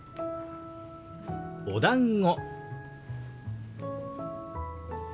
「おだんご」。